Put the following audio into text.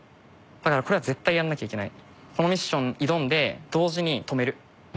だからこれは絶対やんなきゃいけない。